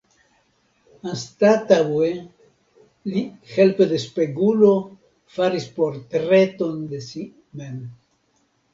Anstataŭe, li helpe de spegulo faris portreton de si mem.